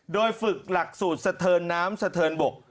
โดยฝึกหลักสูตรสะเทินน้ำสะเทินบก